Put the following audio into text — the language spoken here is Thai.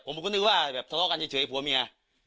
ผมบอกว่าศัลโรงการแบบเฉยหัวแม่